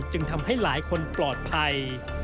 จึงทำให้หลายคนปลอดภัย